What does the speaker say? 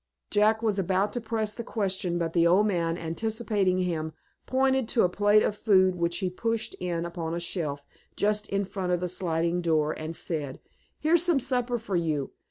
Jack was about to press the question, but the old man, anticipating him, pointed to a plate of food which he pushed in upon a shelf, just in front of the sliding door, and said: "Here's some supper for you.